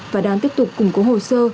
và đang tiếp tục củng cố hồ sơ